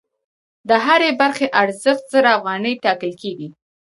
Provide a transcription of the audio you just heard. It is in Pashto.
د هرې برخې ارزښت زر افغانۍ ټاکل کېږي